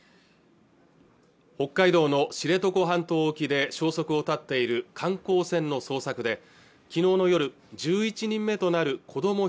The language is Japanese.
北海道の知床半島沖で消息を絶っている観光船の捜索で昨日の夜１１人目となる子ども